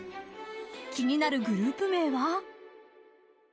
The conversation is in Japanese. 気になるグループ名は。